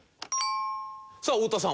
さあ太田さん